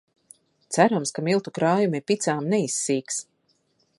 Cerams, ka miltu krājumi picām neizsīks.